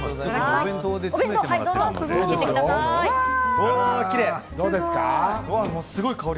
お弁当に詰めてもらっています。